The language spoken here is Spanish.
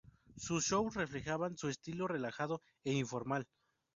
Sus shows reflejaban su estilo relajado e informal.